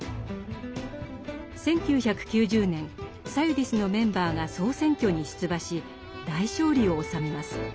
１９９０年サユディスのメンバーが総選挙に出馬し大勝利を収めます。